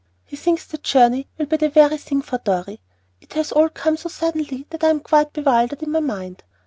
He thinks the journey will be the very thing for Dorry. It has all come so suddenly that I am quite bewildered in my mind.